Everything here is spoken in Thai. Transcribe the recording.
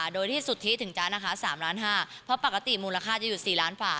โดยที่สุทธิถึงจ๊ะนะคะ๓ล้าน๕เพราะปกติมูลค่าจะอยู่๔ล้านฝ่า